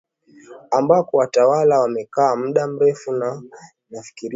ambako watawala wamekaa muda mrefu na ninafikiria kwa mfano sehemu yetu hapa huku kwetu